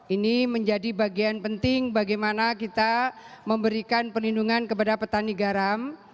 ini menjadi bagian penting bagaimana kita memberikan perlindungan kepada petani garam